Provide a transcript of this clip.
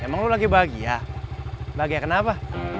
emang lo lagi bahagia bahagia kenapa